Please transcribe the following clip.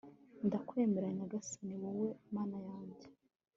ndakwemera nyagasani, wowe mana yanjye